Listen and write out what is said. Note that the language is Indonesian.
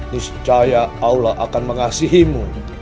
niscaya allah akan mengasihimu